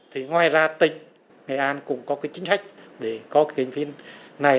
thì ngoài ra tỉnh nghệ an cũng có cái chính sách để có cái kinh phí này